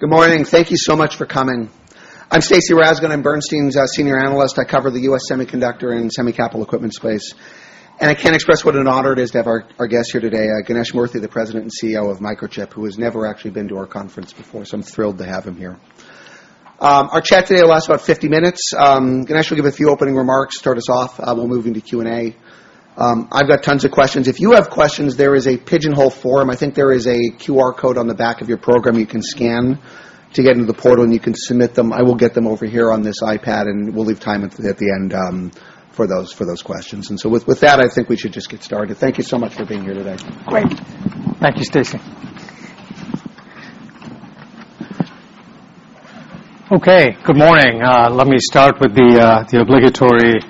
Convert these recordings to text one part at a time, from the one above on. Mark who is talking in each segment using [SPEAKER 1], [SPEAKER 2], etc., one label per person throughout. [SPEAKER 1] Good morning. Thank you so much for coming. I'm Stacy Rasgon. I'm Bernstein's Senior Analyst. I cover the U.S. semiconductor and semi-capital equipment space. I can't express what an honor it is to have our guest here today, Ganesh Moorthy, the President and CEO of Microchip, who has never actually been to our conference before. I'm thrilled to have him here. Our chat today will last about 50 minutes. Ganesh will give a few opening remarks, start us off, we'll move into Q&A. I've got tons of questions. If you have questions, there is a Pigeonhole forum. I think there is a QR code on the back of your program you can scan to get into the portal. You can submit them. I will get them over here on this iPad, and we'll leave time at the end, for those questions. With that, I think we should just get started. Thank you so much for being here today.
[SPEAKER 2] Great. Thank you, Stacy. Good morning. Let me start with the obligatory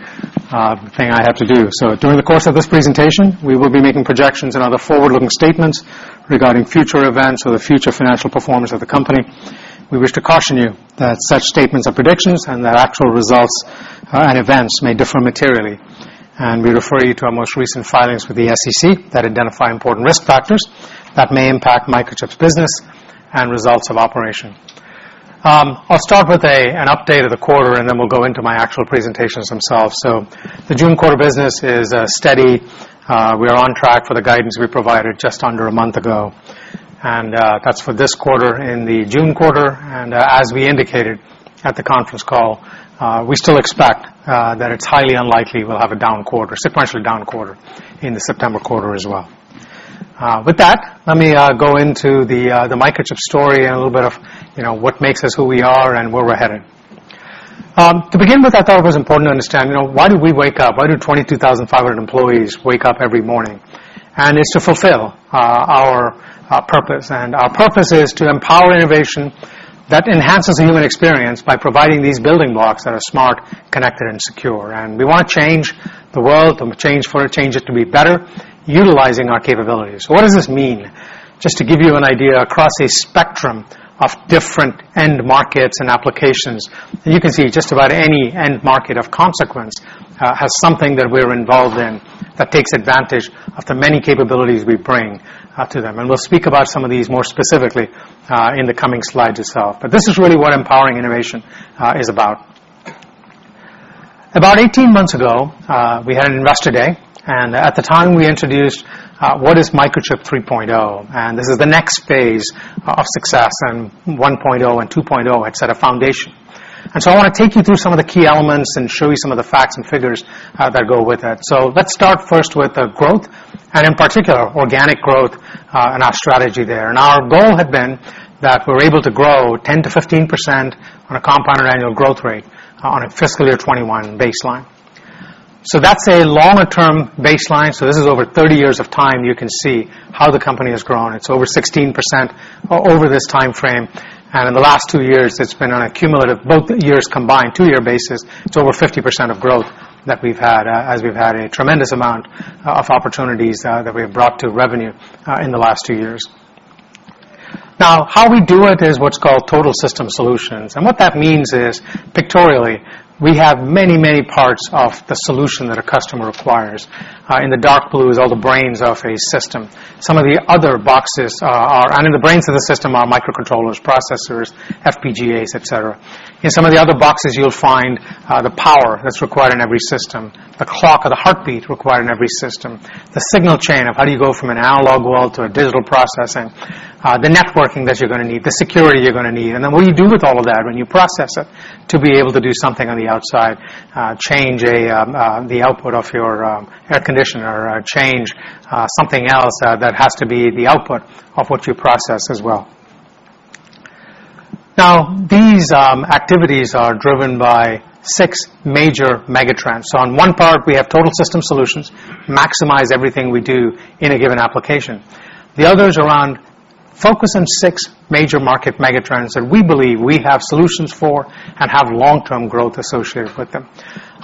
[SPEAKER 2] thing I have to do. During the course of this presentation, we will be making projections and other forward-looking statements regarding future events or the future financial performance of the company. We wish to caution you that such statements are predictions, and that actual results and events may differ materially. We refer you to our most recent filings with the SEC that identify important risk factors that may impact Microchip's business and results of operation. I'll start with an update of the quarter, and then we'll go into my actual presentations themselves. The June quarter business is steady. We are on track for the guidance we provided just under a month ago, and that's for this quarter in the June quarter. As we indicated at the conference call, we still expect that it's highly unlikely we'll have a down quarter, sequentially down quarter, in the September quarter as well. With that, let me go into the Microchip story and a little bit of, you know, what makes us who we are and where we're headed. To begin with, I thought it was important to understand, you know, why do we wake up? Why do 22,500 employees wake up every morning? It's to fulfill our purpose, and our purpose is to empower innovation that enhances the human experience by providing these building blocks that are smart, connected and secure. We want to change the world and change it to be better, utilizing our capabilities. What does this mean? Just to give you an idea, across a spectrum of different end markets and applications, you can see just about any end market of consequence has something that we're involved in that takes advantage of the many capabilities we bring to them. We'll speak about some of these more specifically in the coming slides itself. This is really what empowering innovation is about. About 18 months ago, we had an Investor Day, and at the time, we introduced what is Microchip 3.0, and this is the next phase of success, and 1.0 and 2.0 set a foundation. I want to take you through some of the key elements and show you some of the facts and figures that go with that. Let's start first with growth and in particular, organic growth, and our strategy there. Our goal had been that we're able to grow 10%-15% on a compounded annual growth rate on a fiscal year 2021 baseline. That's a longer term baseline, so this is over 30 years of time, you can see how the company has grown. It's over 16% over this timeframe, and in the last 2 years, it's been on a cumulative, both years combined, 2-year basis. It's over 50% of growth that we've had as we've had a tremendous amount of opportunities that we have brought to revenue in the last 2 years. How we do it is what's called total system solutions, and what that means is, pictorially, we have many, many parts of the solution that a customer requires. In the dark blue is all the brains of a system. Some of the other boxes. In the brains of the system are microcontrollers, processors, FPGAs, et cetera. In some of the other boxes, you'll find the power that's required in every system, the clock or the heartbeat required in every system, the signal chain of how do you go from an analog world to a digital processing, the networking that you're going to need, the security you're going to need. What do you do with all of that when you process it, to be able to do something on the outside, change a the output of your air conditioner or change something else that has to be the output of what you process as well. These activities are driven by six major megatrends. On one part, we have total system solutions, maximize everything we do in a given application. The other is around focusing on six major market megatrends that we believe we have solutions for and have long-term growth associated with them.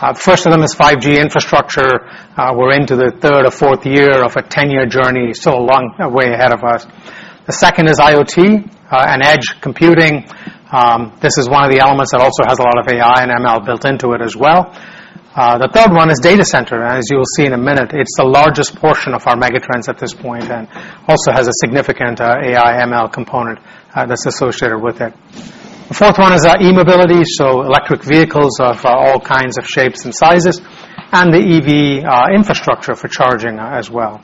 [SPEAKER 2] The first of them is 5G infrastructure. We're into the third or fourth year of a 10-year journey, so a long way ahead of us. The second is IoT and edge computing. This is one of the elements that also has a lot of AI and ML built into it as well. The third one is data center, and as you will see in a minute, it's the largest portion of our megatrends at this point and also has a significant AI/ML component that's associated with it. The fourth one is e-mobility, so electric vehicles of all kinds of shapes and sizes, and the EV infrastructure for charging as well.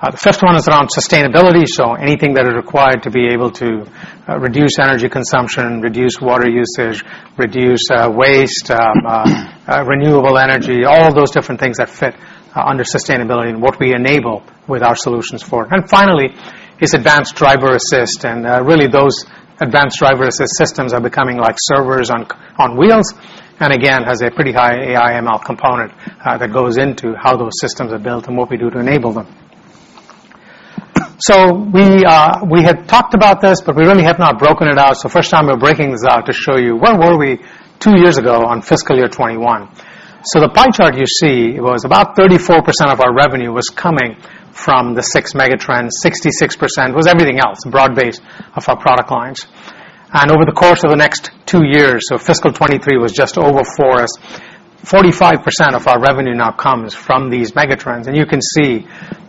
[SPEAKER 2] The fifth one is around sustainability, so anything that is required to be able to reduce energy consumption, reduce water usage, reduce waste, renewable energy, all of those different things that fit under sustainability and what we enable with our solutions for. Finally, is advanced driver assist, and really those advanced driver assist systems are becoming like servers on wheels, and again, has a pretty high AI/ML component that goes into how those systems are built and what we do to enable them. We had talked about this, but we really have not broken it out. First time we're breaking this out to show you, where were we two years ago on fiscal year 2021? The pie chart you see was about 34% of our revenue was coming from the six megatrends, 66% was everything else, broad-based of our product lines. Over the course of the next two years, fiscal 2023 was just over for us, 45% of our revenue now comes from these megatrends, and you can see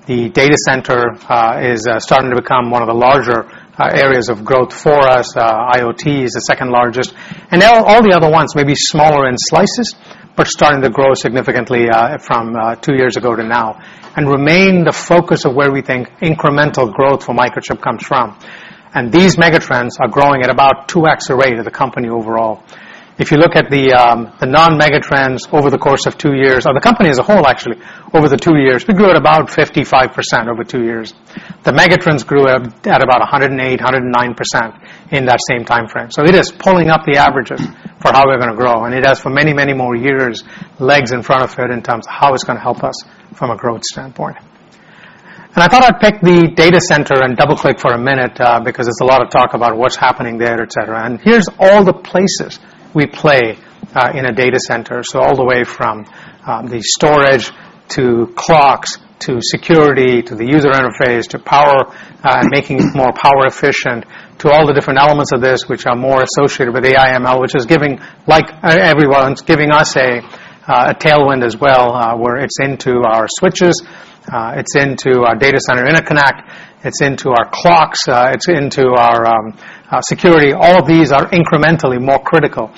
[SPEAKER 2] the data center is starting to become one of the larger areas of growth for us. IoT is the second largest, and all the other ones may be smaller in slices, but starting to grow significantly from two years ago to now, and remain the focus of where we think incremental growth for Microchip comes from. These megatrends are growing at about 2x the rate of the company overall. If you look at the non-megatrends over the course of two years, or the company as a whole, actually, over the two years, we grew at about 55% over two years. The megatrends grew at about 108%-109% in that same time frame. It is pulling up the averages for how we're gonna grow, and it has for many, many more years, legs in front of it in terms of how it's gonna help us from a growth standpoint. I thought I'd pick the data center and double-click for a minute, because there's a lot of talk about what's happening there, et cetera. Here's all the places we play in a data center. All the way from the storage, to clocks, to security, to the user interface, to power, making it more power efficient, to all the different elements of this, which are more associated with AI/ML, which is giving, like everyone, it's giving us a tailwind as well, where it's into our switches, it's into our data center interconnect, it's into our clocks, it's into our security. All of these are incrementally more critical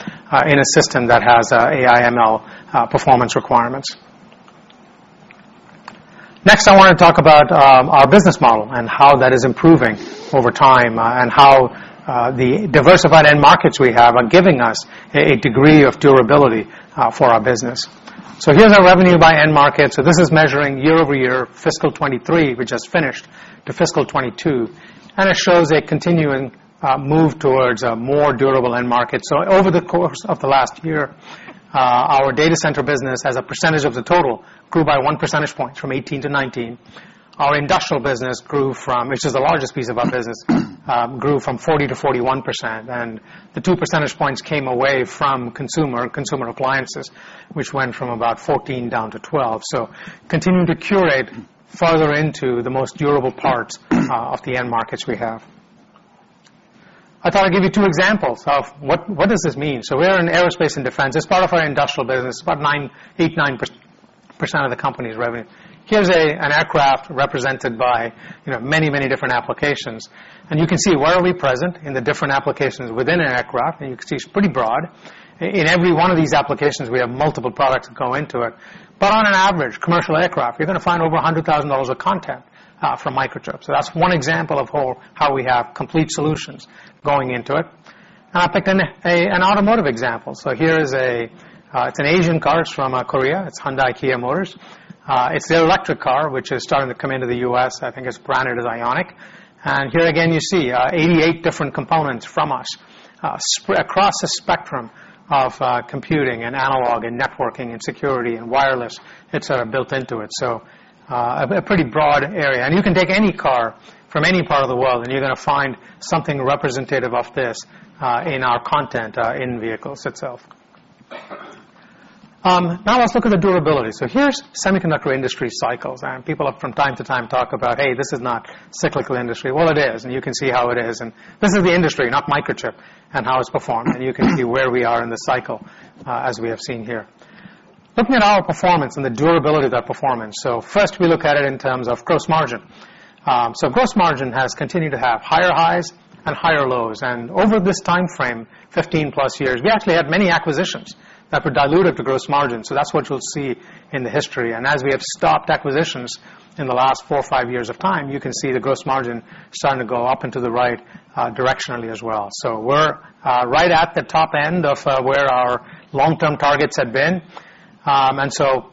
[SPEAKER 2] in a system that has AI/ML performance requirements. Next, I wanna talk about our business model and how that is improving over time, and how the diversified end markets we have are giving us a degree of durability for our business. Here's our revenue by end market. This is measuring year-over-year, fiscal 23, we just finished, to fiscal 22, and it shows a continuing move towards a more durable end market. Over the course of the last year, our data center business, as a percentage of the total, grew by 1 percentage point, from 18 to 19. Our industrial business, which is the largest piece of our business, grew from 40%-41%, and the 2 percentage points came away from consumer appliances, which went from about 14 down to 12. Continuing to curate further into the most durable parts of the end markets we have. I thought I'd give you two examples of what does this mean? We are in aerospace and defense. It's part of our industrial business, about 8%, 9% of the company's revenue. Here's an aircraft represented by, you know, many, many different applications. You can see where are we present in the different applications within an aircraft. You can see it's pretty broad. In every one of these applications, we have multiple products that go into it. On an average commercial aircraft, you're gonna find over $100,000 of content from Microchip. That's one example of how we have complete solutions going into it. I picked an automotive example. Here is an Asian car. It's from Korea. It's Hyundai Kia Motors. It's their electric car, which is starting to come into the U.S., I think it's branded as IONIQ. Here again, you see, 88 different components from us, across the spectrum of computing and analog and networking and security and wireless, it's built into it. A pretty broad area. You can take any car from any part of the world, and you're gonna find something representative of this, in our content, in vehicles itself. Now let's look at the durability. Here's semiconductor industry cycles, and people from time to time, talk about, "Hey, this is not cyclical industry." Well, it is, and you can see how it is, and this is the industry, not Microchip, and how it's performed, and you can see where we are in the cycle, as we have seen here. Looking at our performance and the durability of that performance. First, we look at it in terms of gross margin. Gross margin has continued to have higher highs and higher lows. Over this time frame, 15+ years, we actually had many acquisitions that were dilutive to gross margin, so that's what you'll see in the history. As we have stopped acquisitions in the last four or five years of time, you can see the gross margin starting to go up into the right directionally as well. We're right at the top end of where our long-term targets had been, and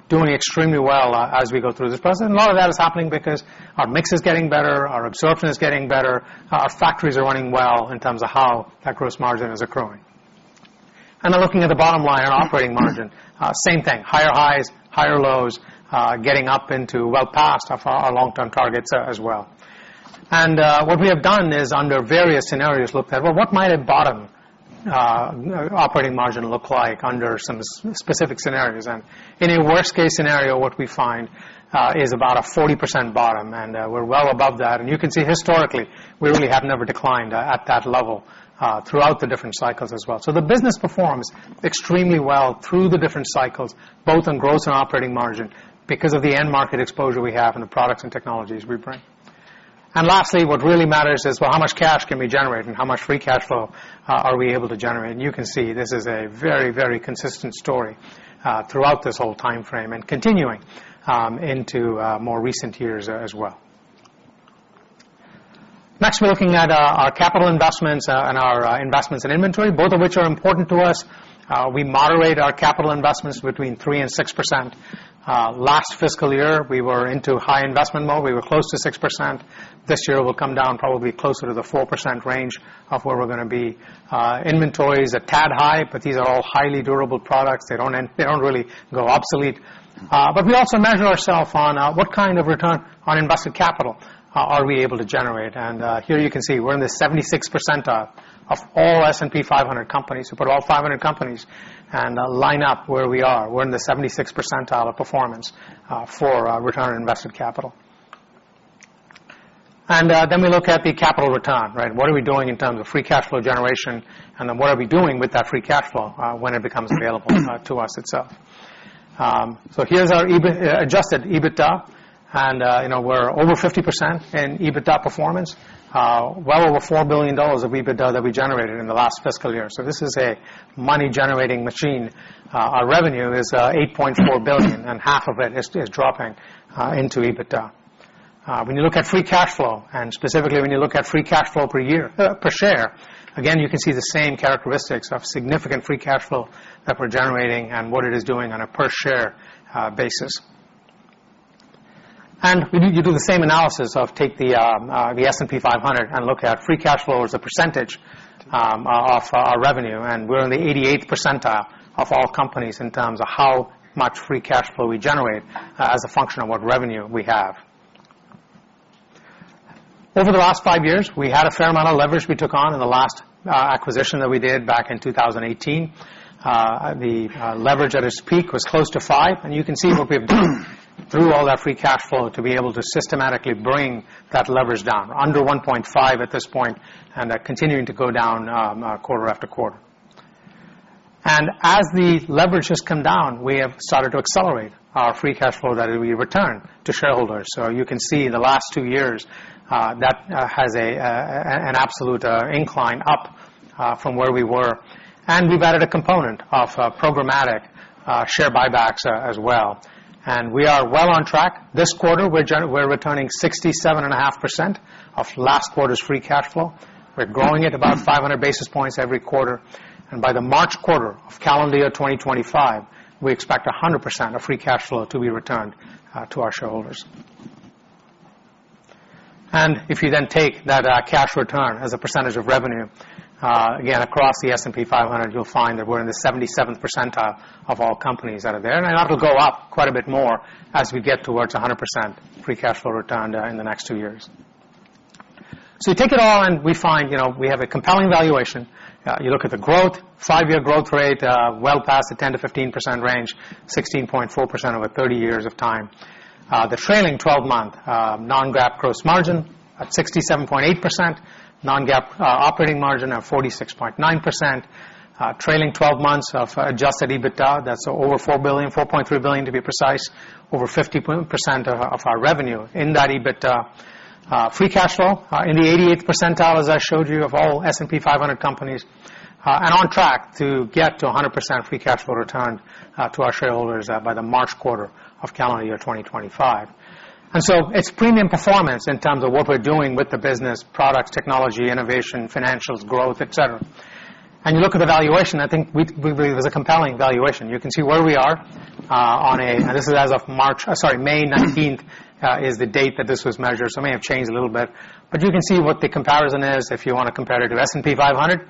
[SPEAKER 2] doing extremely well as we go through this process. A lot of that is happening because our mix is getting better, our absorption is getting better, our factories are running well in terms of how that gross margin is accruing. Looking at the bottom line, our operating margin, same thing, higher highs, higher lows, getting up into well past of our long-term targets as well. What we have done is, under various scenarios, looked at, well, what might a bottom operating margin look like under some specific scenarios? In a worst-case scenario, what we find, is about a 40% bottom, and, we're well above that. You can see historically, we really have never declined at that level throughout the different cycles as well. The business performs extremely well through the different cycles, both on gross and operating margin, because of the end market exposure we have and the products and technologies we bring. Lastly, what really matters is, well, how much cash can we generate, and how much free cash flow are we able to generate? You can see this is a very, very consistent story throughout this whole time frame and continuing into more recent years as well. Next, we're looking at our capital investments and our investments in inventory, both of which are important to us. We moderate our capital investments between 3%-6%. Last fiscal year, we were into high investment mode. We were close to 6%. This year, we'll come down probably closer to the 4% range of where we're gonna be. Inventory is a tad high, but these are all highly durable products. They don't really go obsolete. We also measure ourself on what kind of return on invested capital are we able to generate? Here you can see we're in the 76th percentile of all S&P 500 companies. We put all 500 companies and line up where we are. We're in the 76th percentile of performance for return on invested capital. We look at the capital return, right? What are we doing in terms of free cash flow generation, and then what are we doing with that free cash flow when it becomes available to us itself? Here's our EBIT, adjusted EBITDA, and, you know, we're over 50% in EBITDA performance. Well over $4 billion of EBITDA that we generated in the last fiscal year. This is a money-generating machine. Our revenue is $8.4 billion, half of it is dropping into EBITDA. When you look at free cash flow, specifically when you look at free cash flow per year, per share, again, you can see the same characteristics of significant free cash flow that we're generating and what it is doing on a per-share basis. We need to do the same analysis of take the S&P 500 and look at free cash flow as a percentage of our revenue, we're in the 88th percentile of all companies in terms of how much free cash flow we generate as a function of what revenue we have. Over the last five years, we had a fair amount of leverage we took on in the last acquisition that we did back in 2018. The leverage at its peak was close to five, and you can see what we've done through all that free cash flow to be able to systematically bring that leverage down. Under 1.5 at this point, and they're continuing to go down quarter after quarter. As the leverage has come down, we have started to accelerate our free cash flow that we return to shareholders. You can see the last two years, that has an absolute incline up from where we were. We've added a component of programmatic share buybacks as well. We are well on track. This quarter, we're returning 67.5% of last quarter's free cash flow. We're growing at about 500 basis points every quarter, by the March quarter of calendar year 2025, we expect 100% of free cash flow to be returned to our shareholders. If you then take that cash return as a percentage of revenue, again, across the S&P 500, you'll find that we're in the 77th percentile of all companies that are there. That will go up quite a bit more as we get towards 100% free cash flow return in the next 2 years. You take it all in, we find, you know, we have a compelling valuation. You look at the growth, 5-year growth rate, well past the 10%-15% range, 16.4% over 30 years. The trailing 12-month non-GAAP gross margin at 67.8%, non-GAAP operating margin at 46.9%, trailing 12 months of adjusted EBITDA. That's over $4 billion, $4.3 billion, to be precise, over 50% of our revenue in that EBITDA. Free cash flow in the 88th percentile, as I showed you, of all S&P 500 companies, and on track to get to a 100% free cash flow return to our shareholders by the March quarter of calendar year 2025. It's premium performance in terms of what we're doing with the business, products, technology, innovation, financials, growth, et cetera. You look at the valuation, I think we believe there's a compelling valuation. You can see where we are, on and this is as of March, sorry, May 19th, is the date that this was measured, so it may have changed a little bit. You can see what the comparison is. If you want to compare it to S&P 500,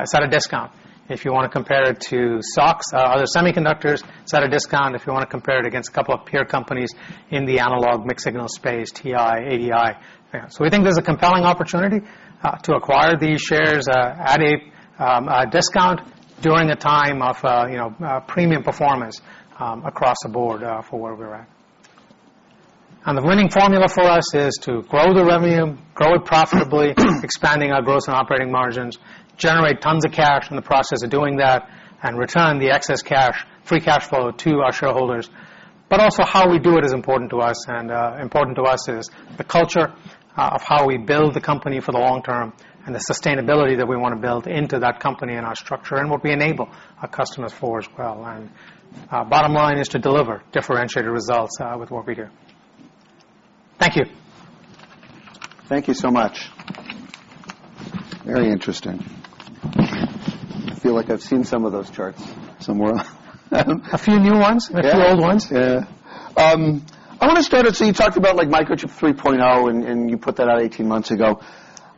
[SPEAKER 2] it's at a discount. If you want to compare it to SOXX, other semiconductors, it's at a discount, if you want to compare it against a couple of peer companies in the analog mixed signal space, TI, ADI. We think there's a compelling opportunity to acquire these shares at a discount during a time of, you know, premium performance across the board for where we're at. The winning formula for us is to grow the revenue, grow it profitably, expanding our gross and operating margins, generate tons of cash in the process of doing that, and return the excess cash, free cash flow, to our shareholders. Also how we do it is important to us, and important to us is the culture of how we build the company for the long term and the sustainability that we want to build into that company and our structure, and what we enable our customers for as well. Our bottom line is to deliver differentiated results with what we do. Thank you.
[SPEAKER 1] Thank you so much. Very interesting. I feel like I've seen some of those charts somewhere.
[SPEAKER 2] A few new ones.
[SPEAKER 1] Yeah.
[SPEAKER 2] A few old ones.
[SPEAKER 1] Yeah. I want to start out, you talked about, like, Microchip 3.0, and you put that out 18 months ago.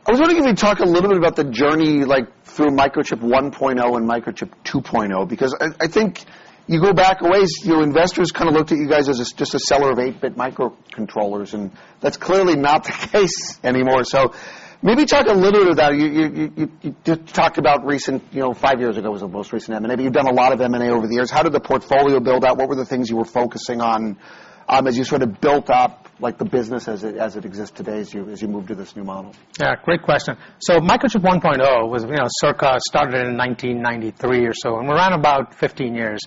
[SPEAKER 1] I was wondering if you'd talk a little bit about the journey, like, through Microchip 1.0 and Microchip 2.0, because I think you go back a ways, your investors kind of looked at you guys as a, just a seller of 8-bit microcontrollers, and that's clearly not the case anymore. Maybe talk a little bit about it. You did talk about recent, you know, five years ago was the most recent M&A, but you've done a lot of M&A over the years. How did the portfolio build out? What were the things you were focusing on, as you sort of built up, like, the business as it exists today, as you moved to this new model?
[SPEAKER 2] Yeah, great question. Microchip 1.0 was, you know, circa started in 1993 or so, and we ran about 15 years.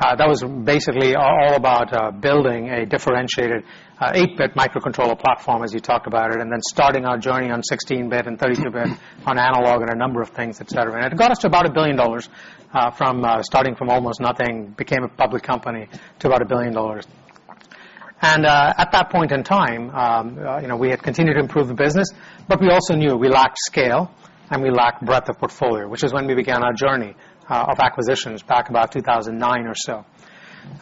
[SPEAKER 2] That was basically all about building a differentiated 8-bit microcontroller platform, as you talked about it, and then starting our journey on 16-bit and 32-bit on analog and a number of things, et cetera. It got us to about $1 billion from starting from almost nothing, became a public company, to about $1 billion. At that point in time, you know, we had continued to improve the business, but we also knew we lacked scale and we lacked breadth of portfolio, which is when we began our journey of acquisitions back about 2009 or so.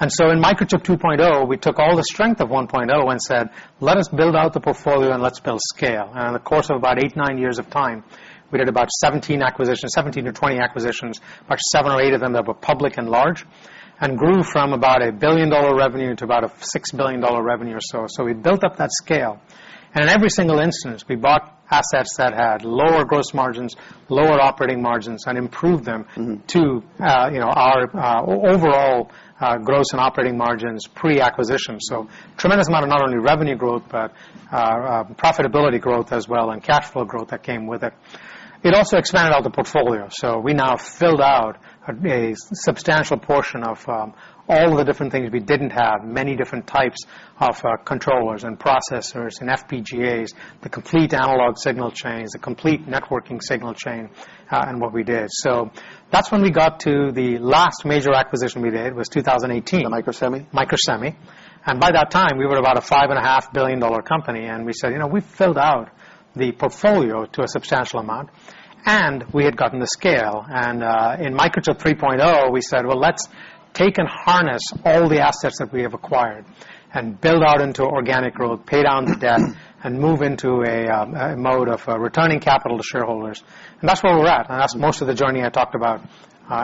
[SPEAKER 2] In Microchip 2.0, we took all the strength of 1.0 and said, "Let us build out the portfolio, and let's build scale." In the course of about eight, nine years of time, we did about 17 acquisitions, 17-20 acquisitions, about seven or eight of them that were public and large, and grew from about a billion-dollar revenue to about a 6 billion dollar revenue or so. We built up that scale, and in every single instance, we bought assets that had lower gross margins, lower operating margins, and improved them to, you know, our overall gross and operating margins pre-acquisition. Tremendous amount of not only revenue growth, but profitability growth as well, and cash flow growth that came with it. It also expanded out the portfolio, so we now filled out a substantial portion of all the different things we didn't have, many different types of controllers and processors and FPGAs, the complete analog signal chains, the complete networking signal chain, and what we did. That's when we got to the last major acquisition we did, was 2018.
[SPEAKER 1] The Microsemi?
[SPEAKER 2] Microsemi. By that time, we were about a $5.5 billion dollar company, and we said, "You know, we've filled out the portfolio to a substantial amount," and we had gotten the scale. In Microchip 3.0, we said, "Well, let's take and harness all the assets that we have acquired and build out into organic growth, pay down the debt, and move into a mode of returning capital to shareholders." That's where we're at, and that's most of the journey I talked about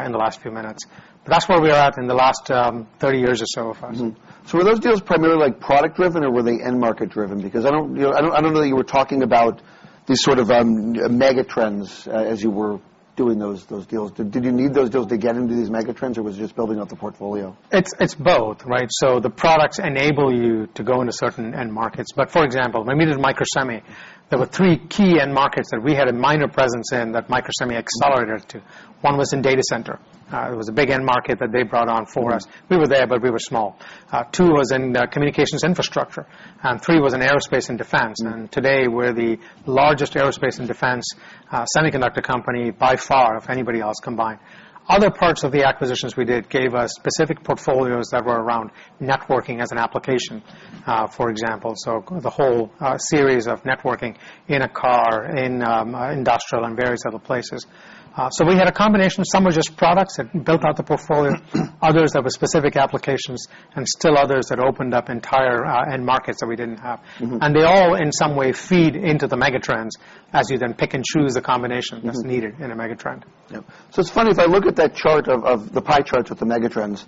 [SPEAKER 2] in the last few minutes. That's where we are at in the last 30 years or so of us.
[SPEAKER 1] Mm-hmm. Were those deals primarily, like, product-driven, or were they end-market-driven? Because I don't know that you were talking about these sort of mega trends as you were doing those deals. Did you need those deals to get into these mega trends, or was it just building up the portfolio?
[SPEAKER 2] It's both, right? The products enable you to go into certain end markets. For example, when we did Microsemi, there were three key end markets that we had a minor presence in that Microsemi accelerated to. One was in data center. It was a big end market that they brought on for us.
[SPEAKER 1] Mm.
[SPEAKER 2] We were there, but we were small. Two was in, communications infrastructure, and three was in aerospace and defense.
[SPEAKER 1] Mm-hmm.
[SPEAKER 2] Today, we're the largest aerospace and defense semiconductor company, by far, of anybody else combined. Other parts of the acquisitions we did gave us specific portfolios that were around networking as an application, for example, so the whole series of networking in a car, in industrial and various other places. We had a combination of some were just products that built out the portfolio, others that were specific applications, and still others that opened up entire end markets that we didn't have.
[SPEAKER 1] Mm-hmm.
[SPEAKER 2] They all, in some way, feed into the mega trends as you then pick and choose the combination.
[SPEAKER 1] Mm-hmm
[SPEAKER 2] That's needed in a mega trend.
[SPEAKER 1] Yep. It's funny, if I look at that chart of the pie charts with the mega trends,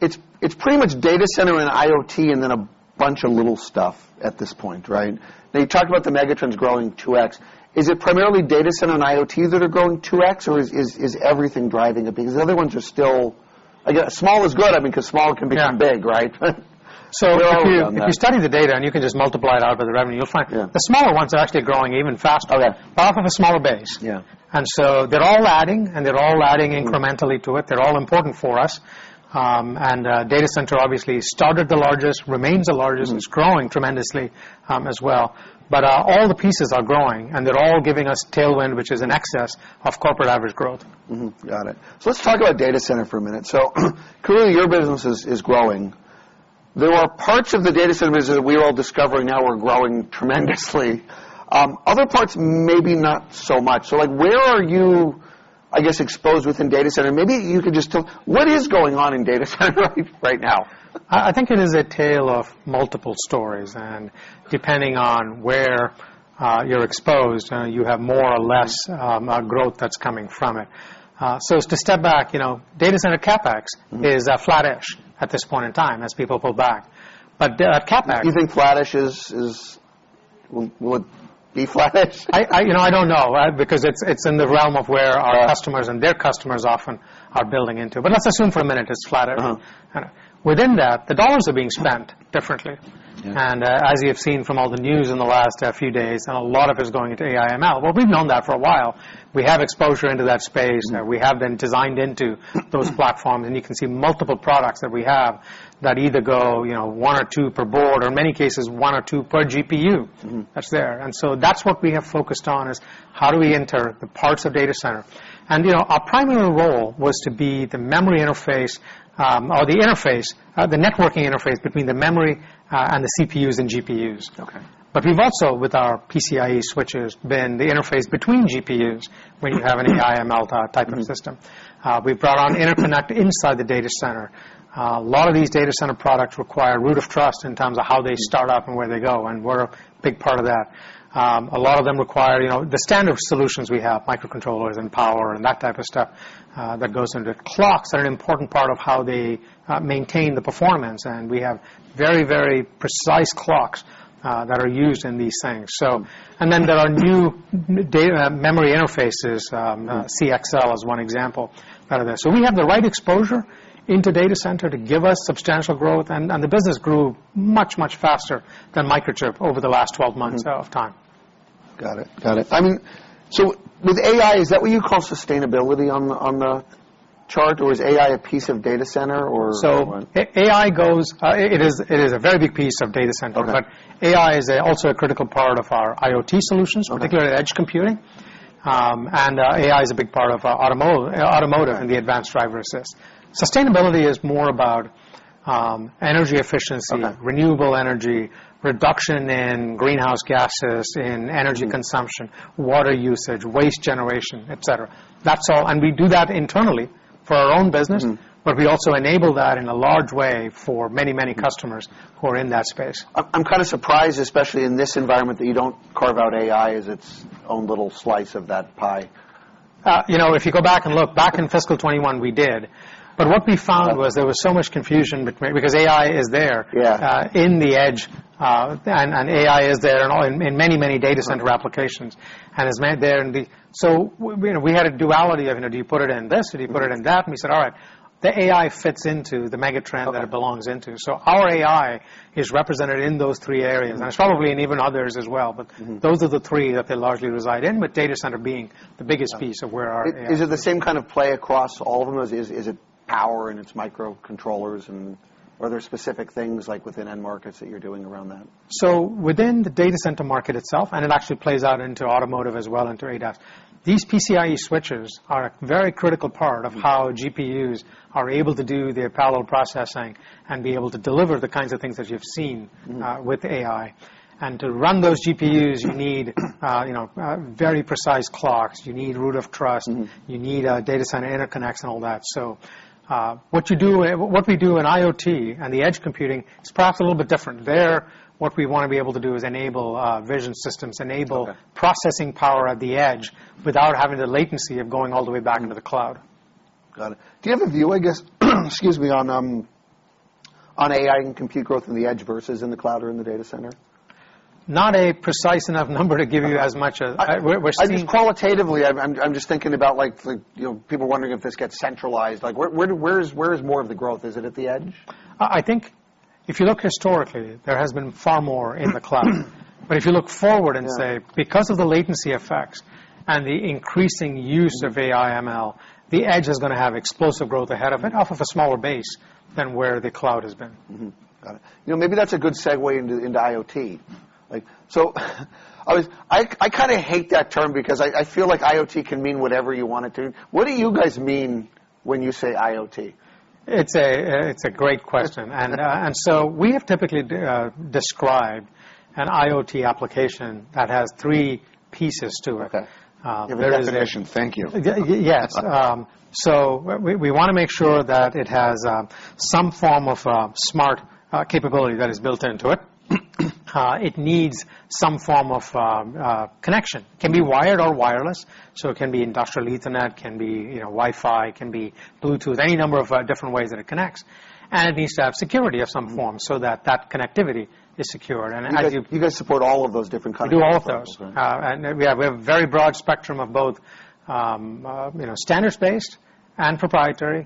[SPEAKER 1] it's pretty much data center and IoT, and then a bunch of little stuff at this point, right? You talked about the mega trends growing 2x. Is it primarily data center and IoT that are growing 2x, or is everything driving it? Because the other ones are still... I guess small is good, I mean, because small can become big right? We all work on that.
[SPEAKER 2] If you study the data, and you can just multiply it out by the revenue, you'll find the smaller ones are actually growing even faster-
[SPEAKER 1] Okay
[SPEAKER 2] Off of a smaller base.
[SPEAKER 1] Yeah.
[SPEAKER 2] They're all adding, and they're all adding incrementally to it.
[SPEAKER 1] Mm.
[SPEAKER 2] They're all important for us. Data center obviously started the largest, remains the largest. Is growing tremendously, as well. All the pieces are growing, and they're all giving us tailwind, which is in excess of corporate average growth.
[SPEAKER 1] Got it. Let's talk about data center for a minute. Clearly, your business is growing. There are parts of the data center business that we're all discovering now are growing tremendously. Other parts, maybe not so much. Like, where are you, I guess, exposed within data center? Maybe you could just tell, what is going on in data center right now?
[SPEAKER 2] I think it is a tale of multiple stories. Depending on where you're exposed, you have more or less growth that's coming from it. As to step back, you know, data center CapEx is, flattish at this point in time as people pull back.
[SPEAKER 1] Do you think flattish is would be flattish?
[SPEAKER 2] I, you know, I don't know, right? It's in the realm of where customers and their customers often are building into. Let's assume for a minute it's flatter.
[SPEAKER 1] Uh-huh.
[SPEAKER 2] Within that, the dollars are being spent differently.
[SPEAKER 1] Mm.
[SPEAKER 2] As you have seen from all the news in the last few days, and a lot of it is going into AI/ML. We've known that for a while. We have exposure into that space.
[SPEAKER 1] Mm.
[SPEAKER 2] We have been designed into those platforms, and you can see multiple products that we have that either go, you know, one or two per board, or in many cases, one or two per GPU.
[SPEAKER 1] Mm-hmm
[SPEAKER 2] That's there. That's what we have focused on, is how do we enter the parts of data center? You know, our primary role was to be the memory interface, or the interface, the networking interface between the memory, and the CPUs and GPUs.
[SPEAKER 1] Okay.
[SPEAKER 2] We've also, with our PCIe switches, been the interface between GPUs when you have an AI/ML type of system. We've brought on interconnect inside the data center. A lot of these data center products require root of trust in terms of how they start up.
[SPEAKER 1] Mm
[SPEAKER 2] Where they go, and we're a big part of that. A lot of them require, you know, the standard solutions we have, microcontrollers and power and that type of stuff, that goes into it. Clocks are an important part of how they maintain the performance, and we have very, very precise clocks that are used in these things. Then there are new data, memory interfaces, CXL is one example out of that. We have the right exposure into data center to give us substantial growth, and the business grew much, much faster than Microchip over the last 12 months of time.
[SPEAKER 1] Got it, got it. With AI, is that what you call sustainability on the, on the chart, or is AI a piece of data center, or what?
[SPEAKER 2] AI goes, it is a very big piece of data center.
[SPEAKER 1] Okay.
[SPEAKER 2] AI is also a critical part of our IoT solutions.
[SPEAKER 1] Okay
[SPEAKER 2] Particularly in edge computing. AI is a big part of automotive and the advanced driver assist. Sustainability is more about energy efficiency, renewable energy, reduction in greenhouse gases, in energy consumption, water usage, waste generation, et cetera. That's all, and we do that internally for our own business.
[SPEAKER 1] Mm-hmm.
[SPEAKER 2] We also enable that in a large way for many, many customers who are in that space.
[SPEAKER 1] I'm kind of surprised, especially in this environment, that you don't carve out AI as its own little slice of that pie.
[SPEAKER 2] You know, if you go back and look, back in fiscal 2021, we did. What we found was there was so much confusion between because AI is there in the edge, and AI is there in all, in many data center applications.
[SPEAKER 1] Right.
[SPEAKER 2] Is made there in the. We, you know, we had a duality of, you know, do you put it in this or do you put it in that? We said, "All right, the AI fits into the mega trend that it belongs into. Our AI is represented in those three areas, and it's probably in even others as well.
[SPEAKER 1] Mm-hmm
[SPEAKER 2] Those are the three that they largely reside in, with data center being the biggest piece of where our AI.
[SPEAKER 1] Is it the same kind of play across all of them, as is it power, and it's microcontrollers, and are there specific things, like within end markets, that you're doing around that?
[SPEAKER 2] Within the data center market itself, and it actually plays out into automotive as well, into ADAS, these PCIe switches are a very critical part of how GPUs are able to do their parallel processing and be able to deliver the kinds of things that you've seen with AI. To run those GPUs, you need, you know, very precise clocks, you need root of trust. You need data center interconnects and all that. What you do, what we do in IoT and the edge computing is perhaps a little bit different. There, what we want to be able to do is enable, vision systems. Enable processing power at the edge without having the latency of going all the way back into the cloud.
[SPEAKER 1] Got it. Do you have a view, I guess, excuse me, on AI and compute growth in the edge versus in the cloud or in the data center?
[SPEAKER 2] Not a precise enough number to give you as much as... we're still...
[SPEAKER 1] I just qualitatively, I'm just thinking about, like, the, you know, people wondering if this gets centralized. Like, where is more of the growth? Is it at the edge?
[SPEAKER 2] I think if you look historically, there has been far more in the cloud. If you look forward. Because of the latency effects and the increasing use of AI/ML, the edge is gonna have explosive growth ahead of it, off of a smaller base than where the cloud has been.
[SPEAKER 1] Mm-hmm. Got it. You know, maybe that's a good segue into IoT. Like, I kind of hate that term because I feel like IoT can mean whatever you want it to. What do you guys mean when you say IoT?
[SPEAKER 2] It's a, it's a great question. We have typically, described an IoT application that has three pieces to it.
[SPEAKER 1] Okay.
[SPEAKER 2] Uh, we-
[SPEAKER 1] Give your definition. Thank you.
[SPEAKER 2] Yes.
[SPEAKER 1] Okay.
[SPEAKER 2] We wanna make sure that it has some form of smart capability that is built into it. It needs some form of connection.
[SPEAKER 1] Mm.
[SPEAKER 2] Can be wired or wireless, so it can be industrial Ethernet, can be, you know, Wi-Fi, can be Bluetooth, any number of different ways that it connects. It needs to have security of some form so that connectivity is secure.
[SPEAKER 1] You guys support all of those different kinds of...
[SPEAKER 2] We do all of those.
[SPEAKER 1] Okay.
[SPEAKER 2] We have a very broad spectrum of both, you know, standards-based and proprietary,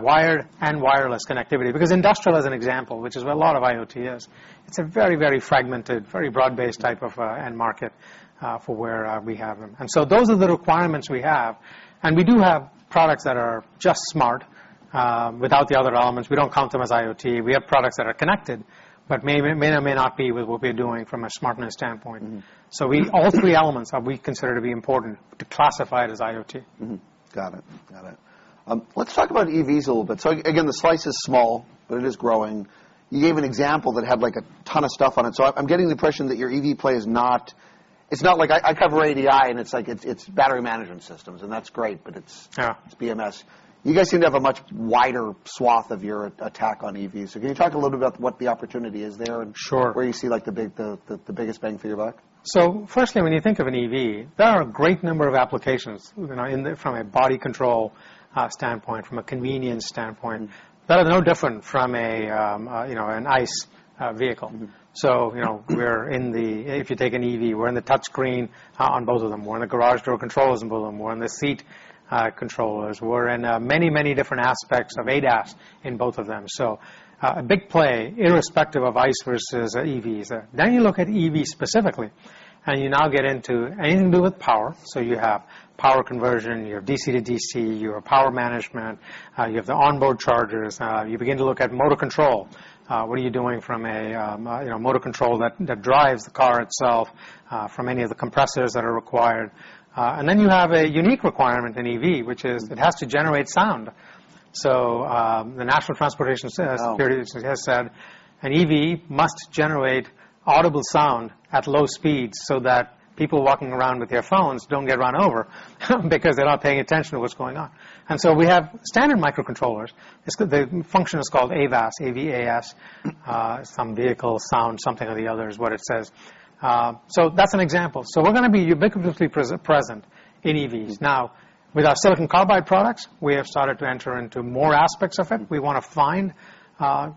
[SPEAKER 2] wired and wireless connectivity. Because industrial, as an example, which is what a lot of IoT is, it's a very, very fragmented, very broad-based type of end market for where we have them. Those are the requirements we have. We do have products that are just smart without the other elements. We don't count them as IoT. We have products that are connected, but may or may not be what we're doing from a smartness standpoint.
[SPEAKER 1] Mm-hmm.
[SPEAKER 2] All 3 elements are we consider to be important to classify it as IoT.
[SPEAKER 1] Got it. Got it. Let's talk about EVs a little bit. Again, the slice is small, but it is growing. You gave an example that had, like, a ton of stuff on it, so I'm getting the impression that your EV play is not like I cover ADI, and it's like it's battery management systems, and that's great.
[SPEAKER 2] Yeah
[SPEAKER 1] It's BMS. You guys seem to have a much wider swath of your attack on EVs. Can you talk a little bit about what the opportunity is there?
[SPEAKER 2] Sure
[SPEAKER 1] Where you see, like, the biggest bang for your buck?
[SPEAKER 2] Firstly, when you think of an EV, there are a great number of applications, you know, in the, from a body control, standpoint, from a convenience standpoint, that are no different from a, you know, an ICE, vehicle.
[SPEAKER 1] Mm-hmm.
[SPEAKER 2] You know, if you take an EV, we're in the touch screen on both of them. We're in the garage door controls on both of them. We're in the seat controllers. We're in many different aspects of ADAS in both of them. A big play, irrespective of ICE versus EVs. You look at EV specifically, and you now get into anything to do with power. You have power conversion, you have DC-to-DC, you have power management, you have the onboard chargers. You begin to look at motor control. What are you doing from a, you know, motor control that drives the car itself, from any of the compressors that are required? You have a unique requirement in EV, which is it has to generate sound. The National Transportation Security-
[SPEAKER 1] Oh...
[SPEAKER 2] has said, "An EV must generate audible sound at low speeds so that people walking around with their phones don't get run over because they're not paying attention to what's going on." We have standard microcontrollers. It's the function is called AVAS, A-V-A-S. Some vehicle sound, something or the other, is what it says. That's an example. We're gonna be ubiquitously present in EVs.
[SPEAKER 1] Mm.
[SPEAKER 2] Now, with our silicon carbide products, we have started to enter into more aspects of it. We want to find,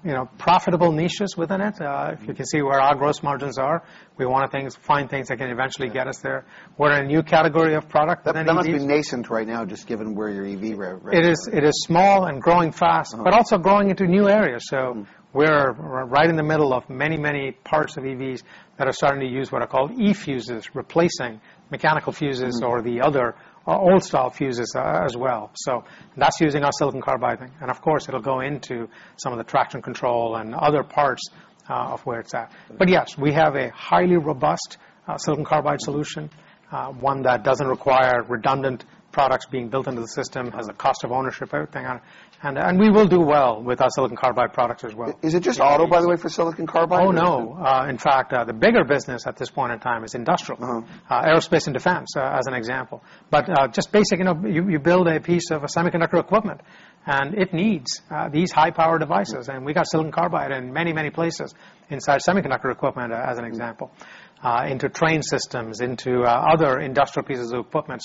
[SPEAKER 2] you know, profitable niches within it.
[SPEAKER 1] Mm
[SPEAKER 2] If you can see where our gross margins are, we want things, find things that can eventually get us there. We're in a new category of product within EVs.
[SPEAKER 1] That must be nascent right now, just given where your EV rev-.
[SPEAKER 2] It is small and growing fast.
[SPEAKER 1] Uh-huh
[SPEAKER 2] But also growing into new areas.
[SPEAKER 1] Mm.
[SPEAKER 2] We're right in the middle of many, many parts of EVs that are starting to use what are called eFuses, replacing mechanical fuses or the other, old-style fuses, as well. That's using our silicon carbide. Of course, it'll go into some of the traction control and other parts, of where it's at. Yes, we have a highly robust, silicon carbide solution, one that doesn't require redundant products being built into the system, has a cost of ownership, everything on it. We will do well with our silicon carbide products as well.
[SPEAKER 1] Is it just auto, by the way, for silicon carbide?
[SPEAKER 2] Oh, no. In fact, the bigger business at this point in time is industrial.
[SPEAKER 1] Mm-hmm.
[SPEAKER 2] Aerospace and defense, as an example. Just basic, you know, you build a piece of semiconductor equipment, and it needs these high-power devices.
[SPEAKER 1] Mm-hmm.
[SPEAKER 2] We got silicon carbide in many, many places inside semiconductor equipment, as an example, into train systems, into, other industrial pieces of equipment.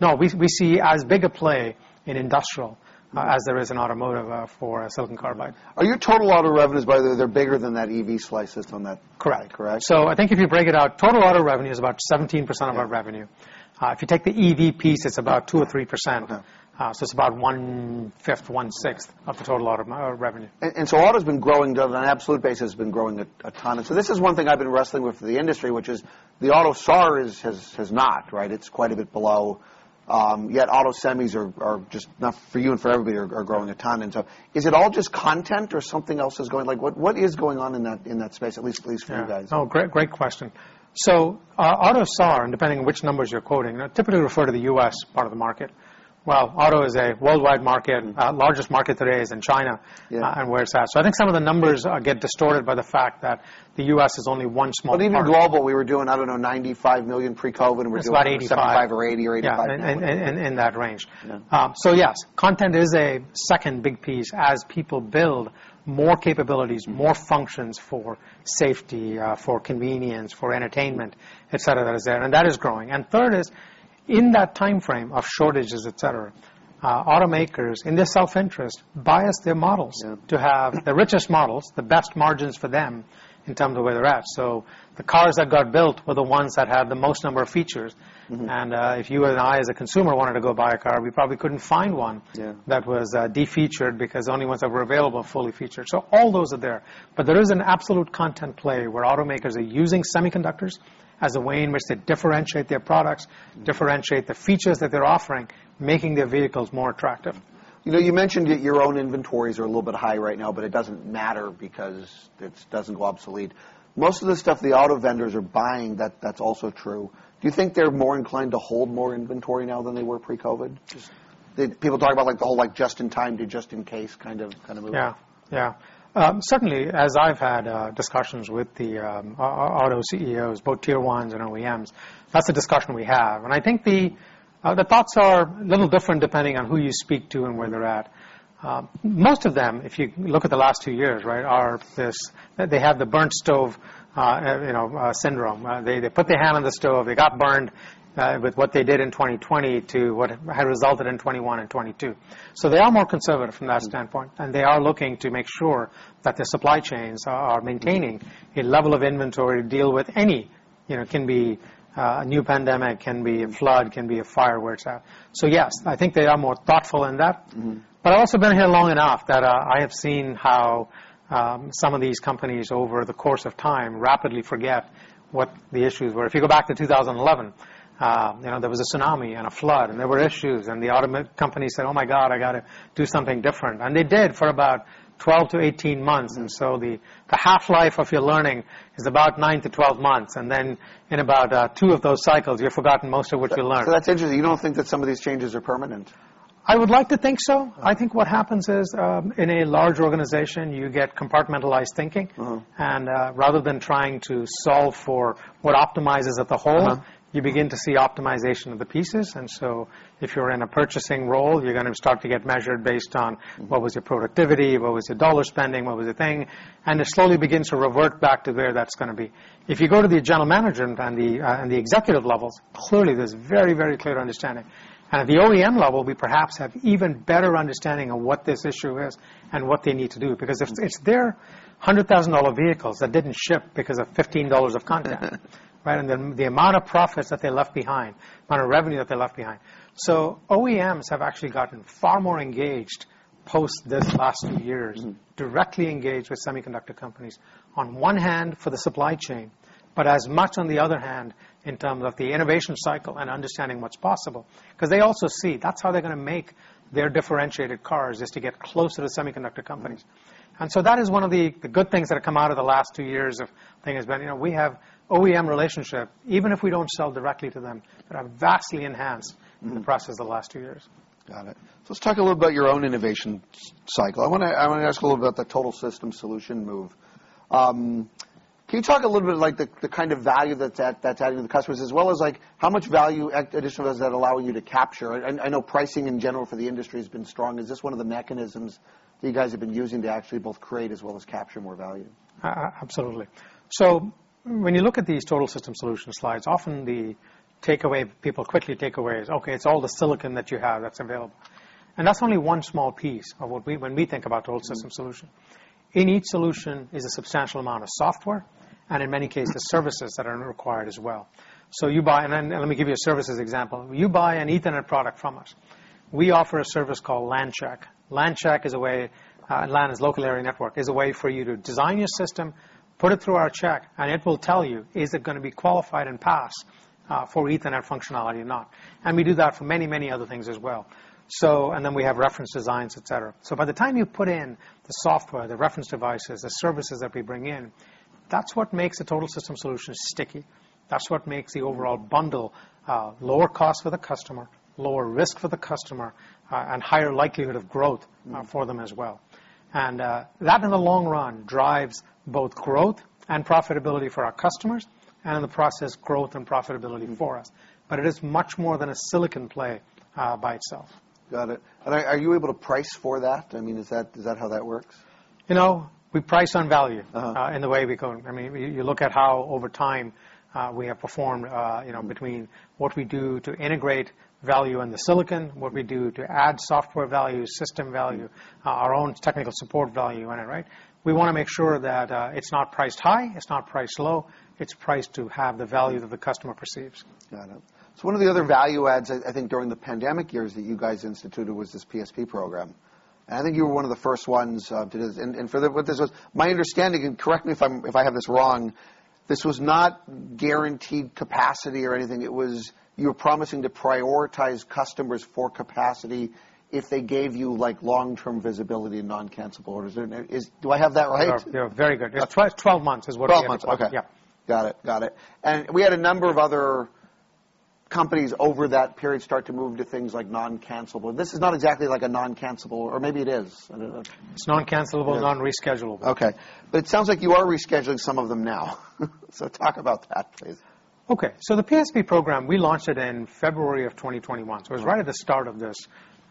[SPEAKER 2] No, we see as big a play in industrial, as there is in automotive, for silicon carbide.
[SPEAKER 1] Are your total auto revenues, by the way, they're bigger than that EV slice system?
[SPEAKER 2] Correct.
[SPEAKER 1] Correct?
[SPEAKER 2] I think if you break it out, total auto revenue is about 17% of our revenue.
[SPEAKER 1] Yeah.
[SPEAKER 2] If you take the EV piece, it's about 2% or 3%.
[SPEAKER 1] Okay.
[SPEAKER 2] It's about 1/5, 1/6 of the total auto revenue.
[SPEAKER 1] Auto's been growing, on an absolute basis, been growing a ton. This is one thing I've been wrestling with for the industry, which is the auto AUTOSAR has not, right? It's quite a bit below, yet auto semis are just, not for you and for everybody, are growing a ton. Is it all just content or something else is going on in that space, at least for you guys?
[SPEAKER 2] Yeah. Oh, great question. AUTOSAR, depending on which numbers you're quoting, typically refer to the U.S. part of the market, while auto is a worldwide market. Largest market today is in China.
[SPEAKER 1] Yeah
[SPEAKER 2] Where it's at. I think some of the numbers get distorted by the fact that the U.S. is only one small part.
[SPEAKER 1] Even global, we were doing, I don't know, $95 million pre-COVID.
[SPEAKER 2] It's about 85.
[SPEAKER 1] 75 or 80 or 85 now.
[SPEAKER 2] Yeah, in that range.
[SPEAKER 1] Yeah.
[SPEAKER 2] Yes, content is a second big piece as people build more capabilities.
[SPEAKER 1] Mm.
[SPEAKER 2] More functions for safety, for convenience, for entertainment, et cetera, that is there, and that is growing. Third is, in that time frame of shortages, et cetera, automakers, in their self-interest, bias their models to have the richest models, the best margins for them in terms of where they're at. The cars that got built were the ones that had the most number of features.
[SPEAKER 1] Mm-hmm.
[SPEAKER 2] If you and I, as a consumer, wanted to go buy a car, we probably couldn't find one.
[SPEAKER 1] Yeah
[SPEAKER 2] That was, defeatured because the only ones that were available were fully featured. All those are there. There is an absolute content play where automakers are using semiconductors as a way in which they differentiate their products, differentiate the features that they're offering, making their vehicles more attractive.
[SPEAKER 1] You know, you mentioned that your own inventories are a little bit high right now. It doesn't matter because it doesn't go obsolete. Most of the stuff the auto vendors are buying, that's also true. Do you think they're more inclined to hold more inventory now than they were pre-COVID?
[SPEAKER 2] Yes.
[SPEAKER 1] People talk about, like, the whole, like, just-in-time to just-in-case kind of move.
[SPEAKER 2] Yeah. Yeah. Certainly, as I've had discussions with the auto CEOs, both tier ones and OEMs, that's a discussion we have. I think the thoughts are a little different depending on who you speak to and where they're at. Most of them, if you look at the last two years, right, they have the burnt stove, you know, syndrome. They put their hand on the stove, they got burned with what they did in 2020 to what had resulted in 2021 and 2022. They are more conservative from that standpoint.
[SPEAKER 1] Mm
[SPEAKER 2] They are looking to make sure that their supply chains are maintaining a level of inventory to deal with any, you know, can be a new pandemic, can be a flood, can be a fire, where it's at. Yes, I think they are more thoughtful in that.
[SPEAKER 1] Mm-hmm.
[SPEAKER 2] I've also been here long enough that I have seen how some of these companies, over the course of time, rapidly forget what the issues were. If you go back to 2011, you know, there was a tsunami and a flood, and there were issues, and the auto companies said, "Oh, my God, I got to do something different." They did for about 12 to 18 months. The half-life of your learning is about 9 to 12 months, and then in about 2 of those cycles, you've forgotten most of what you learned.
[SPEAKER 1] That's interesting. You don't think that some of these changes are permanent?
[SPEAKER 2] I would like to think so.
[SPEAKER 1] Okay.
[SPEAKER 2] I think what happens is, in a large organization, you get compartmentalized thinking.
[SPEAKER 1] Mm-hmm.
[SPEAKER 2] Rather than trying to solve for what optimizes at the whole, you begin to see optimization of the pieces. If you're in a purchasing role, you're gonna start to get measured based on: What was your productivity, what was your dollar spending, what was the thing? It slowly begins to revert back to where that's gonna be. If you go to the general management and the executive levels, clearly there's a very, very clear understanding. At the OEM level, we perhaps have even better understanding of what this issue is and what they need to do.
[SPEAKER 1] Mm.
[SPEAKER 2] Because if it's their $100,000 vehicles that didn't ship because of $15 of content, right? The amount of profits that they left behind, amount of revenue that they left behind. OEMs have actually gotten far more engaged post this last few years.
[SPEAKER 1] Mm
[SPEAKER 2] Directly engaged with semiconductor companies, on one hand, for the supply chain, but as much on the other hand, in terms of the innovation cycle and understanding what's possible. They also see that's how they're gonna make their differentiated cars, is to get close to the semiconductor companies. That is one of the good things that have come out of the last two years of things. You know, we have OEM relationship, even if we don't sell directly to them, that have vastly enhanced in the process of the last 2 years.
[SPEAKER 1] Got it. Let's talk a little about your own innovation cycle. I wanna ask a little about the total system solution move. Can you talk a little bit, like, the kind of value that's adding to the customers, as well as, like, how much value additional does that allow you to capture? I know pricing in general for the industry has been strong. Is this one of the mechanisms you guys have been using to actually both create as well as capture more value?
[SPEAKER 2] Absolutely. When you look at these total system solution slides, often the takeaway, people quickly take away is, "Okay, it's all the silicon that you have that's available." That's only one small piece of what when we think about total system solution.
[SPEAKER 1] Mm.
[SPEAKER 2] In each solution is a substantial amount of software, and in many cases, the services that are required as well. Let me give you a services example. You buy an Ethernet product from us, we offer a service called LANcheck. LANcheck is a way, LAN is local area network, is a way for you to design your system, put it through our check, and it will tell you, is it gonna be qualified and pass for Ethernet functionality or not? We do that for many, many other things as well. Then we have reference designs, et cetera. By the time you put in the software, the reference devices, the services that we bring in, that's what makes the total system solution sticky. That's what makes the overall bundle, lower cost for the customer, lower risk for the customer, and higher likelihood of growth, for them as well. That, in the long run, drives both growth and profitability for our customers, and in the process, growth and profitability for us. It is much more than a silicon play, by itself.
[SPEAKER 1] Got it. Are you able to price for that? I mean, is that how that works?
[SPEAKER 2] You know, we price on value.
[SPEAKER 1] Uh-huh.
[SPEAKER 2] In the way we go. I mean, you look at how, over time, we have performed, you know, between what we do to integrate value in the silicon, what we do to add software value, system value, our own technical support value in it, right? We want to make sure that, it's not priced high, it's not priced low, it's priced to have the value that the customer perceives.
[SPEAKER 1] Got it. One of the other value adds, I think during the pandemic years, that you guys instituted was this PSP program, and I think you were one of the first ones to do this. From what my understanding, and correct me if I'm, if I have this wrong, this was not guaranteed capacity or anything, it was you were promising to prioritize customers for capacity if they gave you, like, long-term visibility and non-cancellable orders. Do I have that right?
[SPEAKER 2] Yeah. Very good.
[SPEAKER 1] Yeah.
[SPEAKER 2] 12 months is what it is.
[SPEAKER 1] 12 months. Okay.
[SPEAKER 2] Yeah.
[SPEAKER 1] Got it. We had a number of other companies over that period start to move to things like non-cancellable. This is not exactly like a non-cancellable, or maybe it is. I don't know.
[SPEAKER 2] It's non-cancellable, non-rescheduleable.
[SPEAKER 1] Okay. It sounds like you are rescheduling some of them now. Talk about that, please.
[SPEAKER 2] Okay. The PSP program, we launched it in February of 2021. It was right at the start of this,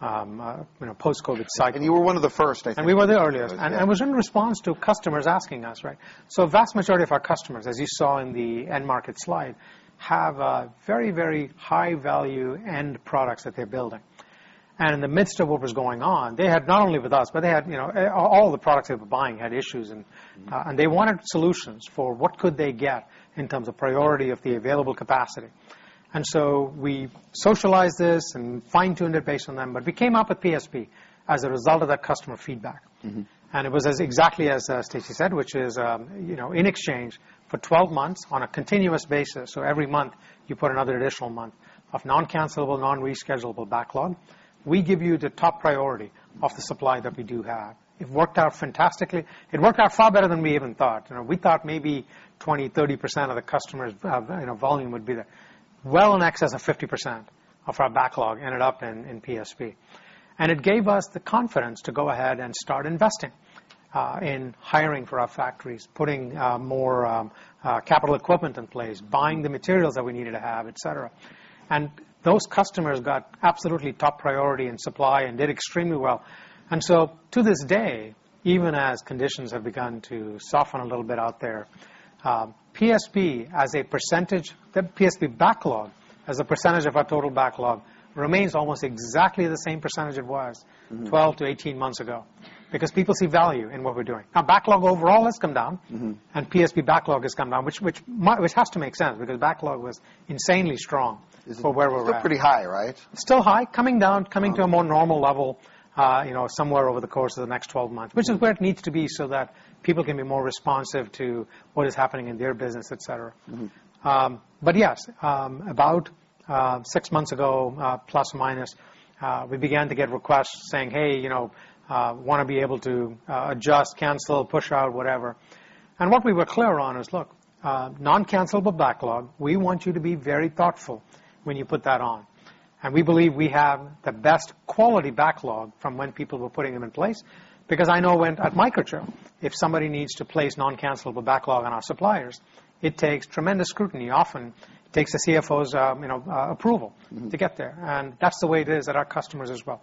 [SPEAKER 2] you know, post-COVID cycle.
[SPEAKER 1] You were one of the first, I think.
[SPEAKER 2] We were the earliest.
[SPEAKER 1] Okay.
[SPEAKER 2] It was in response to customers asking us, right? Vast majority of our customers, as you saw in the end market slide, have a very, very high-value end products that they're building. In the midst of what was going on, they had not only with us, but they had, you know, all the products they were buying had issues and, and they wanted solutions for what could they get in terms of priority of the available capacity. We socialized this and fine-tuned it based on them, but we came up with PSP as a result of that customer feedback.
[SPEAKER 1] Mm-hmm.
[SPEAKER 2] It was as exactly as Stacy said, which is, you know, in exchange for 12 months on a continuous basis, so every month, you put another additional month of non-cancellable, non-rescheduleable backlog, we give you the top priority of the supply that we do have. It worked out fantastically. It worked out far better than we even thought. You know, we thought maybe 20%-30% of the customers, you know, volume would be there. Well in excess of 50% of our backlog ended up in PSP, and it gave us the confidence to go ahead and start investing in hiring for our factories, putting more capital equipment in place, buying the materials that we needed to have, et cetera. Those customers got absolutely top priority in supply and did extremely well. To this day, even as conditions have begun to soften a little bit out there, the PSP backlog, as a percentage of our total backlog, remains almost exactly the same percentage it was 12 to 18 months ago, because people see value in what we're doing. Now, backlog overall has come down and PSP backlog has come down, which has to make sense because backlog was insanely strong for where we're at.
[SPEAKER 1] Still pretty high, right?
[SPEAKER 2] Still high, coming down, coming to a more normal level, you know, somewhere over the course of the next 12 months, which is where it needs to be so that people can be more responsive to what is happening in their business, et cetera.
[SPEAKER 1] Mm-hmm.
[SPEAKER 2] Yes, about six months ago, plus or minus, we began to get requests saying, "Hey, you know, wanna be able to adjust, cancel, push out, whatever." What we were clear on is, look, non-cancellable backlog, we want you to be very thoughtful when you put that on. We believe we have the best quality backlog from when people were putting them in place, because I know when, at Microchip, if somebody needs to place non-cancellable backlog on our suppliers, it takes tremendous scrutiny, often takes a CFO's, you know, approval...
[SPEAKER 1] Mm-hmm...
[SPEAKER 2] to get there. That's the way it is at our customers as well.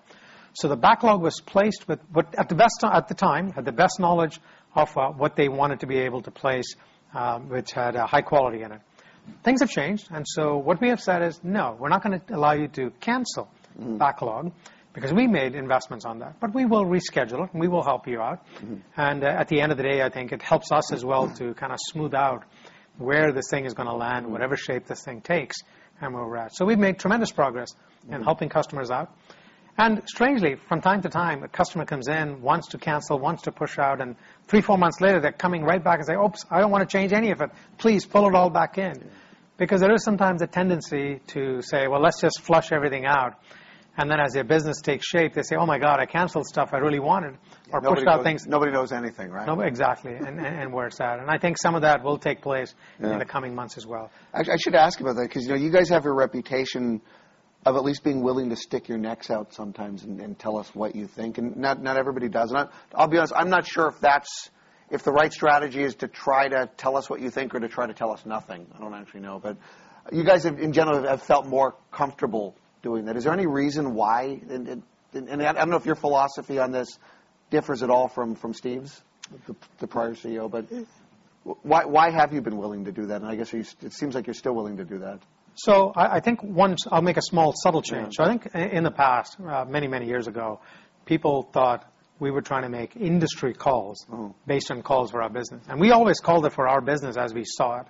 [SPEAKER 2] The backlog was placed with what, at the time, at the best knowledge of what they wanted to be able to place, which had a high quality in it. Things have changed. What we have said is, "No, we're not gonna allow you to cancel backlog because we made investments on that, but we will reschedule, and we will help you out".
[SPEAKER 1] Mm-hmm.
[SPEAKER 2] At the end of the day, I think it helps us as well to kind of smooth out where this thing is going to land, whatever shape this thing takes and where we are at. We have made tremendous progress in helping customers out. Strangely, from time to time, a customer comes in, wants to cancel, wants to push out, and three, four months later, they're coming right back and say, "Oops, I don't wanna change any of it. Please pull it all back in." Because there is sometimes a tendency to say, "Well, let's just flush everything out." Then, as their business takes shape, they say, "Oh, my God, I canceled stuff I really wanted, or pushed out things...
[SPEAKER 1] Nobody knows anything, right?
[SPEAKER 2] No, exactly. Where it's at. I think some of that will take place in the coming months as well.
[SPEAKER 1] I should ask about that, 'cause, you know, you guys have a reputation of at least being willing to stick your necks out sometimes and tell us what you think, and not everybody does that. I'll be honest, I'm not sure if that's if the right strategy is to try to tell us what you think or to try to tell us nothing. I don't actually know. You guys have, in general, have felt more comfortable doing that. Is there any reason why? I don't know if your philosophy on this differs at all from Steve's, the prior CEO.
[SPEAKER 2] Mm
[SPEAKER 1] Why have you been willing to do that? I guess you, it seems like you're still willing to do that.
[SPEAKER 2] I think one, I'll make a small, subtle change.
[SPEAKER 1] Yeah.
[SPEAKER 2] I think in the past, many, many years ago, people thought we were trying to make industry calls based on calls for our business. We always called it for our business as we saw it.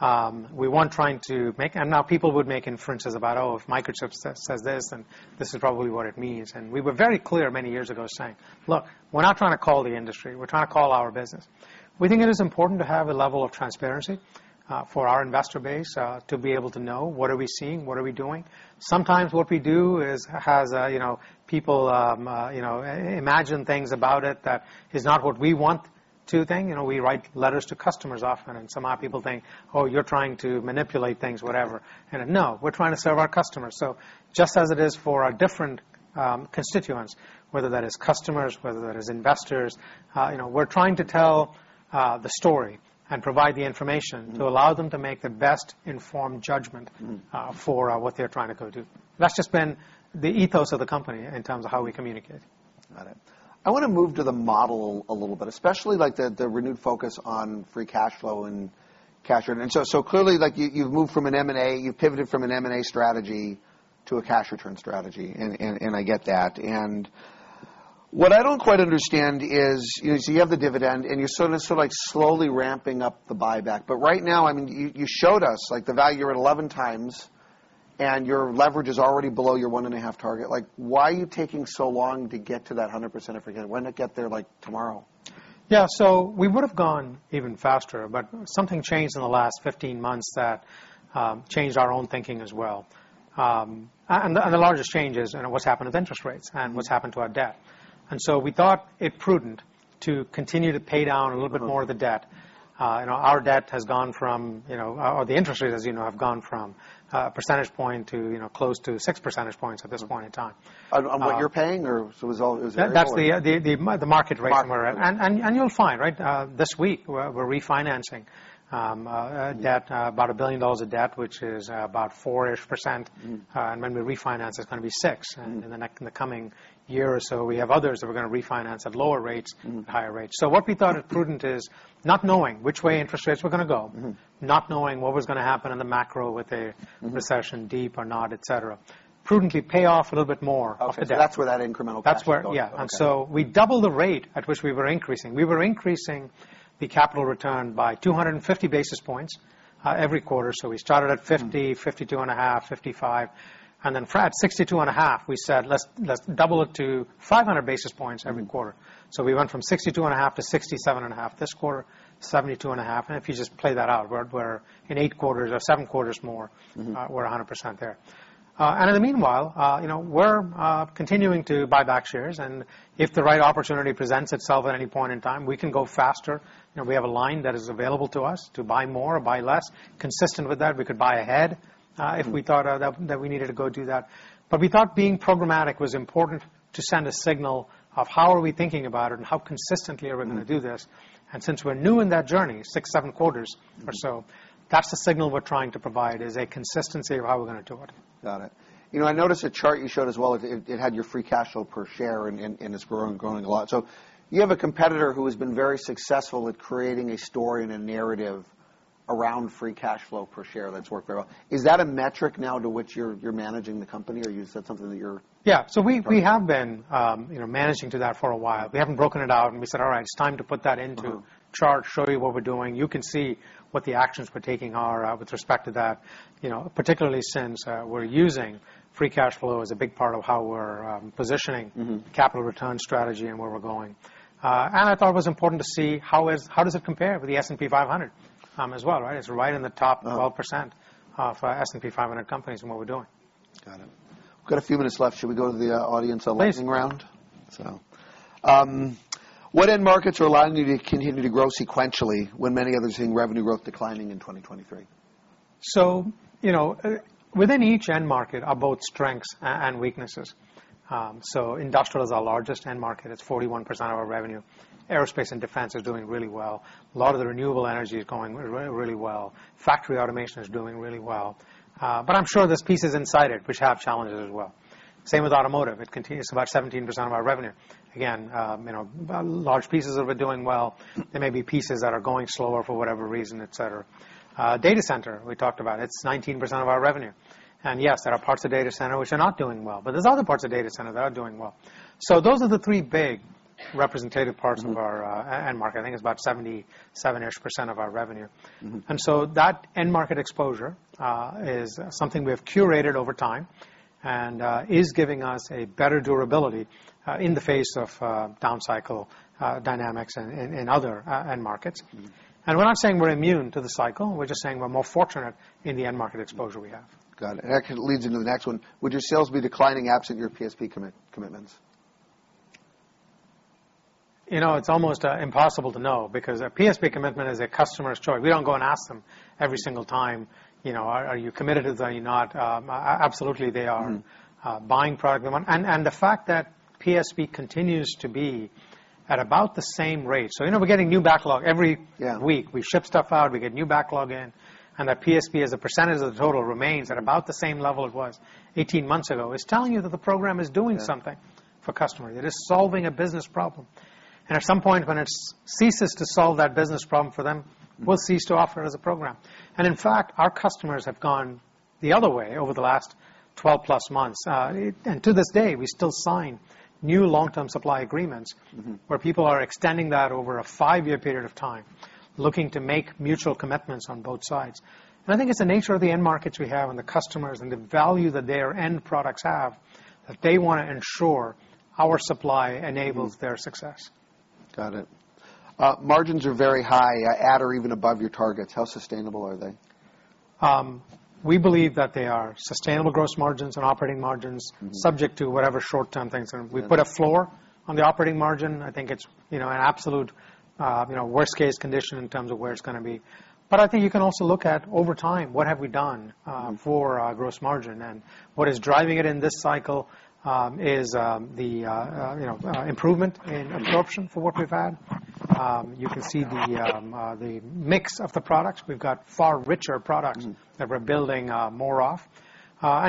[SPEAKER 2] We weren't trying to make, and now people would make inferences about, Oh, if Microchip says this, then this is probably what it means. We were very clear many years ago saying, Look, we're not trying to call the industry, we're trying to call our business. We think it is important to have a level of transparency for our investor base to be able to know what are we seeing, what are we doing. Sometimes what we do is, has, you know, people, you know, imagine things about it that is not what we want to think. You know, we write letters to customers often, and some people think, ''Oh, you're trying to manipulate things, whatever.'' No, we're trying to serve our customers. Just as it is for our different constituents, whether that is customers, whether that is investors, you know, we're trying to tell the story and provide the information. To allow them to make the best informed judgment. For what they're trying to go do. That's just been the ethos of the company in terms of how we communicate.
[SPEAKER 1] Got it. I wanna move to the model a little bit, especially like the renewed focus on free cash flow and cash return. Clearly, like you've moved from an M&A, you've pivoted from an M&A strategy to a cash return strategy, and I get that. What I don't quite understand is you have the dividend, and you're sort of like slowly ramping up the buyback. Right now, I mean, you showed us, like, the value, you're at 11 times, and your leverage is already below your 1.5 target. Like, why are you taking so long to get to that 100% of again? Why not get there, like, tomorrow?
[SPEAKER 2] Yeah, we would have gone even faster, but something changed in the last 15 months that changed our own thinking as well. The largest change is, you know, what's happened with interest rates and what's happened to our debt. We thought it prudent to continue to pay down a little bit more of the debt. you know, our debt has gone from, you know, or the interest rate, as you know, have gone from 1 percentage point to, you know, close to 6 percentage points at this point in time.
[SPEAKER 1] On what you're paying, or so is all.
[SPEAKER 2] That's the market rate.
[SPEAKER 1] Market rate.
[SPEAKER 2] You'll find, right, this week, we're refinancing debt, about $1 billion of debt, which is about 4-ish%.
[SPEAKER 1] Mm.
[SPEAKER 2] When we refinance, it's gonna be six.
[SPEAKER 1] Mm.
[SPEAKER 2] In the coming year or so, we have others that we're gonna refinance at lower rates, higher rates. What we thought it prudent is, not knowing which way interest rates were gonna go. Not knowing what was gonna happen in the macro, recession, deep or not, et cetera. Prudently pay off a little bit more of the debt.
[SPEAKER 1] Okay, that's where that incremental cash going.
[SPEAKER 2] That's where. Yeah.
[SPEAKER 1] Okay.
[SPEAKER 2] We double the rate at which we were increasing. We were increasing the capital return by 250 basis points every quarter. We started at 50, 52.5, 55, and then at 62.5, we said, let's double it to 500 basis points every quarter. We went from 62 and a half to 67 and a half. This quarter, 72 and a half. If you just play that out, we're in eight quarters or seven quarters more. We're 100% there. In the meanwhile, you know, we're continuing to buy back shares, if the right opportunity presents itself at any point in time, we can go faster. You know, we have a line that is available to us to buy more or buy less. Consistent with that, we could buy ahead. If we thought that we needed to go do that. We thought being programmatic was important to send a signal of how are we thinking about it and how consistently are we gonna do this. Since we're new in that journey, six, seven quarters or so, that's the signal we're trying to provide, is a consistency of how we're gonna do it.
[SPEAKER 1] Got it. You know, I noticed a chart you showed as well. It had your free cash flow per share, and it's growing a lot. You have a competitor who has been very successful with creating a story and a narrative around free cash flow per share. That's worked very well. Is that a metric now to which you're managing the company, or you said something that you're?
[SPEAKER 2] Yeah.
[SPEAKER 1] All right.
[SPEAKER 2] We have been, you know, managing to that for a while. We haven't broken it out. We said, "All right, it's time to put that chart, show you what we're doing." You can see what the actions we're taking are, with respect to that, you know, particularly since, we're using free cash flow as a big part of how we're positioning capital return strategy and where we're going. I thought it was important to see how does it compare with the S&P 500, as well, right? It's right in the top 12% for S&P 500 companies and what we're doing.
[SPEAKER 1] Got it. We've got a few minutes left. Should we go to the audience-
[SPEAKER 2] Please...
[SPEAKER 1] lightning round? What end markets are allowing you to continue to grow sequentially when many others are seeing revenue growth declining in 2023?
[SPEAKER 2] You know, within each end market are both strengths and weaknesses. Industrial is our largest end market. It's 41% of our revenue. Aerospace and defense are doing really well. A lot of the renewable energy is going really well. Factory automation is doing really well. But I'm sure there's pieces inside it which have challenges as well. Same with automotive. It continues about 17% of our revenue. Again, you know, large pieces of it doing well. There may be pieces that are going slower for whatever reason, et cetera. Data center, we talked about, it's 19% of our revenue. Yes, there are parts of data center which are not doing well, but there's other parts of data center that are doing well. Those are the three big representative parts of our end market. I think it's about 77-ish% of our revenue.
[SPEAKER 1] Mm-hmm.
[SPEAKER 2] That end market exposure is something we have curated over time and is giving us a better durability in the face of downcycle dynamics in other end markets.
[SPEAKER 1] Mm.
[SPEAKER 2] We're not saying we're immune to the cycle. We're just saying we're more fortunate in the end market exposure we have.
[SPEAKER 1] Got it. That leads into the next one: Would your sales be declining absent your PSP commitments?
[SPEAKER 2] You know, it's almost impossible to know because a PSP commitment is a customer's choice. We don't go and ask them every single time, you know, "Are you committed, are you not?" absolutely they are buying product. The fact that PSP continues to be at about the same rate. you know, we're getting new backlog every week. We ship stuff out, we get new backlog in, that PSP, as a percentage of the total, remains at about the same level it was 18 months ago. It's telling you that the program is doing something for customers. It is solving a business problem. At some point, when it's ceases to solve that business problem for them, we'll cease to offer it as a program. In fact, our customers have gone the other way over the last 12 plus months. To this day, we still sign new long-term supply agreements.
[SPEAKER 1] Mm-hmm.
[SPEAKER 2] Where people are extending that over a five year period of time, looking to make mutual commitments on both sides. I think it's the nature of the end markets we have, and the customers, and the value that their end products have, that they want to ensure our supply enables their success.
[SPEAKER 1] Got it. Margins are very high, at or even above your targets. How sustainable are they?
[SPEAKER 2] We believe that they are sustainable gross margins and operating margins subject to whatever short-term things. We've put a floor on the operating margin. I think it's, you know, an absolute, you know, worst case condition in terms of where it's gonna be. I think you can also look at, over time, what have we done for gross margin? What is driving it in this cycle is the, you know, improvement in absorption for what we've had. You can see the mix of the products. We've got far richer products that we're building, more of.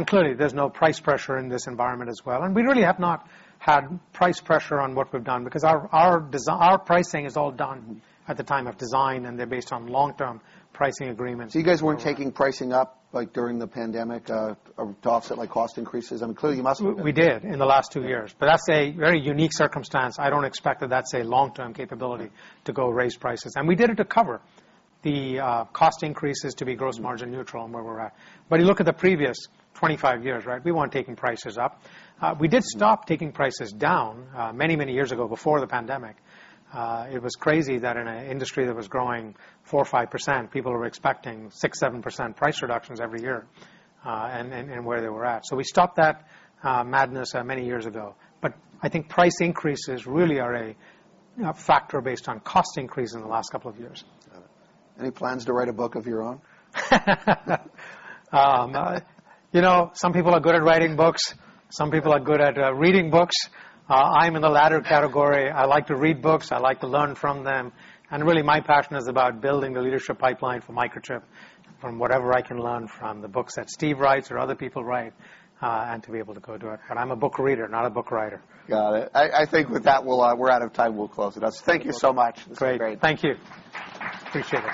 [SPEAKER 2] Clearly, there's no price pressure in this environment as well. We really have not had price pressure on what we've done, because our pricing is all done at the time of design. They're based on long-term pricing agreements.
[SPEAKER 1] You guys weren't taking pricing up, like, during the pandemic, or to offset, like, cost increases? I mean, clearly, you must-
[SPEAKER 2] We did in the last two years, but that's a very unique circumstance. I don't expect that that's a long-term capability to go raise prices. We did it to cover the cost increases, to be gross margin neutral on where we're at. You look at the previous 25 years, right? We weren't taking prices up. We did stop taking prices down many, many years ago, before the pandemic. It was crazy that in an industry that was growing 4% or 5%, people were expecting 6%, 7% price reductions every year, and where they were at. We stopped that madness many years ago. I think price increases really are a factor based on cost increase in the last couple of years.
[SPEAKER 1] Got it. Any plans to write a book of your own?
[SPEAKER 2] You know, some people are good at writing books. Some people are good at reading books. I'm in the latter category. I like to read books. I like to learn from them. Really, my passion is about building the leadership pipeline for Microchip, from whatever I can learn from the books that Steve writes or other people write, and to be able to go do it. I'm a book reader, not a book writer.
[SPEAKER 1] Got it. I think with that, we'll, we're out of time. We'll close it. Thank you so much.
[SPEAKER 2] Great.
[SPEAKER 1] This was great.
[SPEAKER 2] Thank you. Appreciate it.